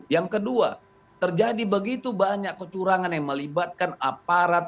yang kedua terjadi begitu banyak kecurangan yang melibatkan aparat